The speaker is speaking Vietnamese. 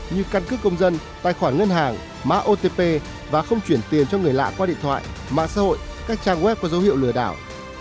như căn cước công dân tài khoản ngân hàng mã otp và không chuyển tiền cho người lạ qua điện thoại mạng xã hội các trang web có dấu hiệu lừa đảo